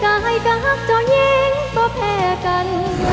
รักได้รักตอนเย็นก็แพ้กัน